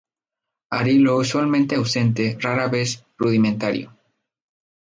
Arilo usualmente ausente, rara vez rudimentario.